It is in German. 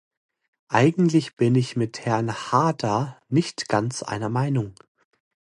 Eigentlich bin ich mit Herrn Haarder nicht ganz einer Meinung.